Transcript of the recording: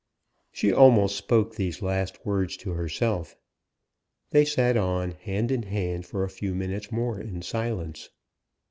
She almost spoke these last words to herself. They sat on, hand in hand for a few minutes more in silence.